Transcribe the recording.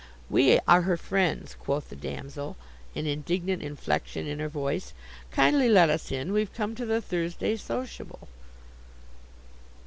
"We are her friends," quoth the damsel, an indignant inflection in her voice. "Kindly let us in. We've come to the Thursday sociable."